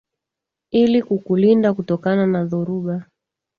Ili kukulinda kutokana na dhoruba